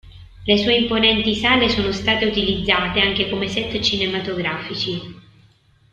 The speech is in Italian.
Le sue imponenti sale sono state utilizzate anche come set cinematografici.